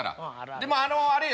でもあのあれよ